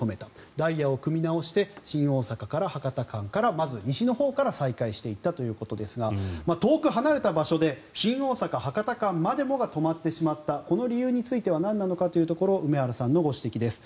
ダイヤを組みなおして新大阪博多間からまず西のほうから再開していったということですが遠く離れた場所で新大阪博多間までもが止まってしまったこの理由についてはなんなのかというところ梅原さんのご指摘です。